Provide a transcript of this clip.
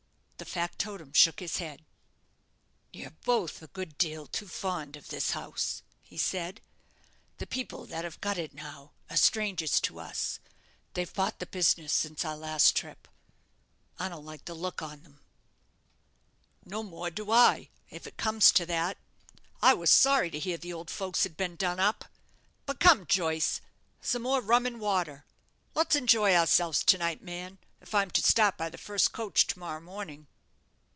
The factotum shook his head. "You're both a good deal too fond of this house," he said. "The people that have got it now are strangers to us. They've bought the business since our last trip. I don't like the look on them." "No more do I, if it comes to that. I was sorry to hear the old folks had been done up. But come, Joyce, some more rum and water. Let's enjoy ourselves to night, man, if I'm to start by the first coach to morrow morning.